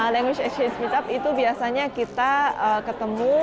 lenguge exchange meetup itu biasanya kita ketemu